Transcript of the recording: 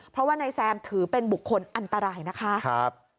เพราะว่านายแซมถือเป็นบุคคลอันตรายนะคะ